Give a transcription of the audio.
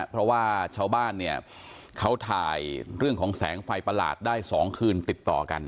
เพราะว่าชาวบ้านเนี่ยเขาถ่ายเรื่องของแสงไฟประหลาดได้๒คืนติดต่อกัน